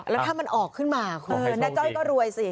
แล้วถ้ามันออกขึ้นมาคุณนาจ้อยก็รวยสิ